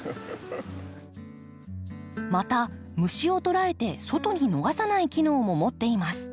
また虫を捕らえて外に逃さない機能も持っています。